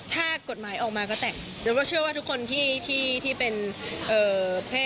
ถ้าเสร็จแปลกอะไรดีกว่า